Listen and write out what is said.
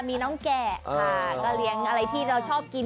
มีน้องแกะค่ะก็เลี้ยงอะไรที่เราชอบกิน